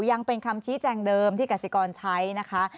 ยังเป็นคำชี้แจงเดิมที่กสิกรใช้นะคะ